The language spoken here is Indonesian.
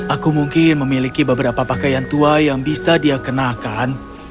aku mungkin memiliki beberapa pakaian tua yang bisa dia kenakan